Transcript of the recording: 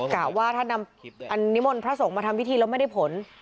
กะว่าถ้านำอันนิมนต์พระสงฆ์มาทำพิธีแล้วไม่ได้ผล